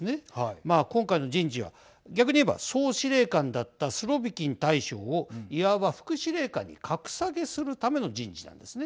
まあ、今回の人事は逆に言えば総司令官だったスロビキン大将をいわば副司令官に格下げするための人事なんですね。